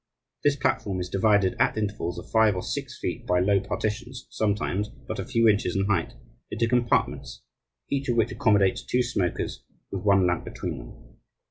This platform is divided at intervals of five or six feet by low partitions, sometimes but a few inches in height, into compartments, each of which accommodates two smokers, with one lamp between them.